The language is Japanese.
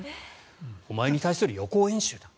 お前に対する予行演習だと。